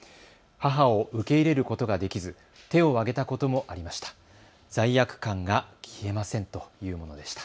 母を受け入れることができず手を上げたこともありました。